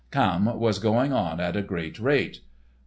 Camme was going on at a great rate.